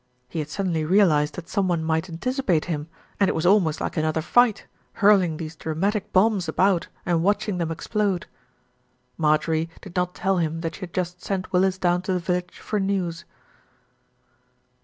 He had suddenly realised 'that some one might anticipate him, and it was almost like another fight, hurling these dramatic bombs about and watching them explode. Marjorie did not tell him that she had just sent Willis down to the village for news.